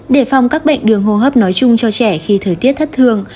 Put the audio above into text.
để phòng các bệnh đường hô hấp nói chung cho trẻ khi thời tiết thất thường